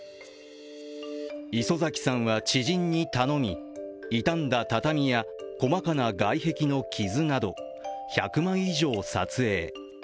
磯崎さんは知人に頼み、傷んだ畳や細かな外壁の傷など１００枚以上を撮影。